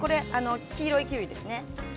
黄色いキウイですね。